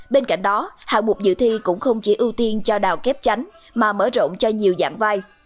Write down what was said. bên cạnh đó hạng mục dự thi cũng không chỉ ưu tiên cho đào kép chánh mà mở rộng cho nhiều dạng vai